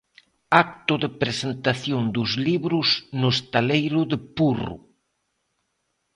Acto de presentación dos libros no Estaleiro de Purro.